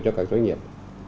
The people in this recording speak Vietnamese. cho các doanh nghiệp